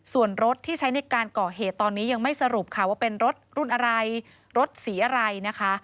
ส่วนรถที่ใช้ในการก่อเหตุตอนนี้ยังไม่สรุปค่ะว่าเป็นรถรุ่นอะไรรถสีอะไรนะคะ